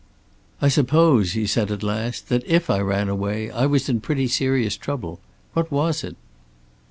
"I suppose," he said at last, "that if I ran away I was in pretty serious trouble. What was it?"